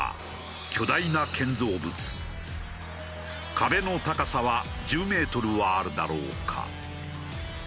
壁の高さは１０メートルはあるだろうか。